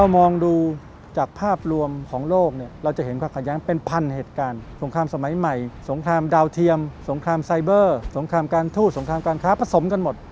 สมัยใหม่สงครามดาวเทียมสงครามไซเบอร์สงครามการทู้สงครามการค้าผสมกันหมด